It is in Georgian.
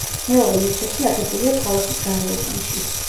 მეორე მეჩეთი აგებულია ქალაქის გარეუბანში.